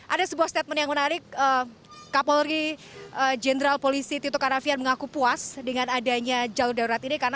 ada sebuah statement yang menarik kapolri jenderal polisi tito karnavian mengaku puas dengan adanya jalur darurat ini